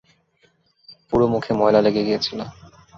পুরো মুখে ময়লা লেগে গিয়েছিল।